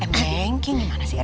mbengki gimana sih